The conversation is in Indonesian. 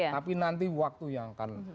tapi nanti waktu yang akan